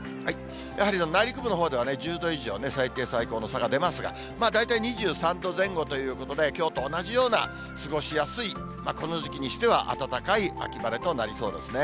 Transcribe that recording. やはり内陸部のほうでは１０度以上ね、最低、最高の差が出ますが、大体２３度前後ということで、きょうと同じような過ごしやすい、この時期にしては暖かい秋晴れとなりそうですね。